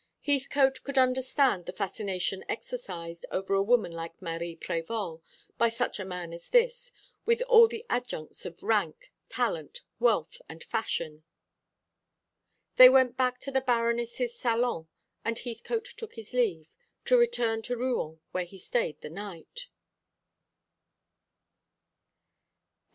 Heathcote could understand the fascination exercised over a woman like Marie Prévol by such a man as this, with all the adjuncts of rank, talent, wealth, and fashion. They went back to the Baroness's salon, and Heathcote took his leave, to return to Rouen, where he stayed the night.